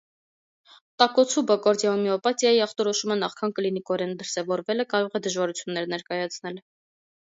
Տակոցուբո կարդիոմիոպաթիայի ախտորոշումը նախքան կլինիկորեն դրսևորվելը կարող է դժվարություններ ներկայացնել։